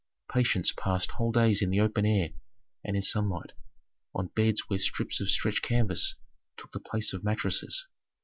Patients passed whole days in the open air and in sunlight, on beds where strips of stretched canvas took the place of mattresses.